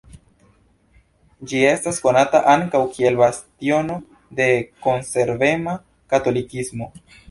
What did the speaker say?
Ĝi estas konata ankaŭ kiel bastiono de konservema katolikismo.